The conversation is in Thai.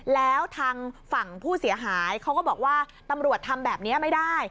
แล้วทางฝั่งผู้เสียหายเขาก็บอกว่าตำรวจทำแบบนี้ไม่ได้